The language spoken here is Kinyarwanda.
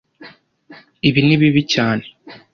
Ibi ni bibi cyane